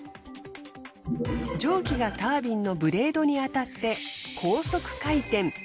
蒸気がタービンのブレードに当たって高速回転。